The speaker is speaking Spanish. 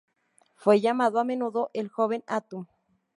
Fue llamado a menudo "el joven Atum".